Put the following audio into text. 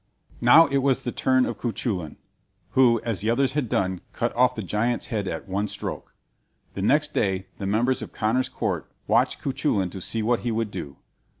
Now it was the turn of Cuchulain, who, as the others had done, cut off the giant's head at one stroke. The next day the members of Conor's court watched Cuchulain to see what he would do.